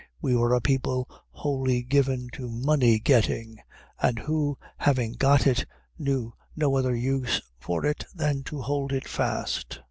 We were a people wholly given to money getting, and who, having got it, knew no other use for it than to hold it fast.